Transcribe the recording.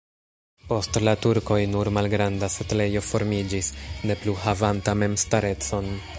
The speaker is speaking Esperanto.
Post la turkoj nur malgranda setlejo formiĝis, ne plu havanta memstarecon.